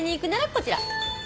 こちら。